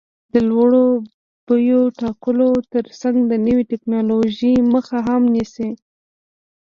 د لوړو بیو ټاکلو ترڅنګ د نوې ټکنالوژۍ مخه هم نیسي.